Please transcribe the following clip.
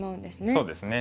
そうですね。